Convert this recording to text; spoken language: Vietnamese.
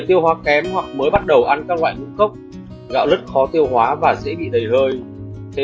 tiêu hóa kém hoặc mới bắt đầu ăn các loại ngũ cốc gạo rất khó tiêu hóa và dễ bị đầy hơi thế